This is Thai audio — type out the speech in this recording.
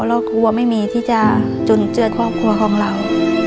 เรากลัวไม่มีที่จะจนเจือครอบครัวของเรา